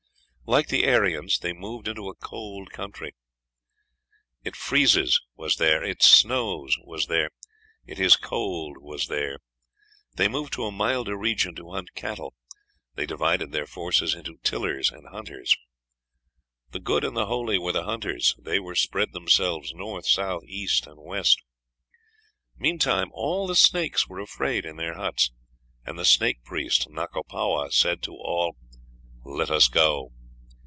Like the Aryans, they moved into a cold country: "It freezes was there; it snows was there; it is cold was there." They move to a milder region to hunt cattle; they divided their forces into tillers and hunters. "The good and the holy were the hunters; they spread themselves north, south, east, and west." Meantime all the snakes were afraid in their huts, and the Snake priest Nakopowa said to all, 'Let us go.'